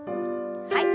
はい。